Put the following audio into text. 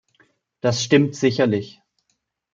Das stimmt sicherlich.